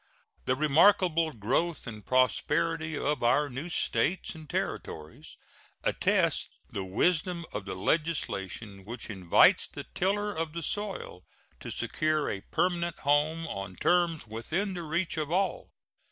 The remarkable growth and prosperity of our new States and Territories attest the wisdom of the legislation which invites the tiller of the soil to secure a permanent home on terms within the reach of all.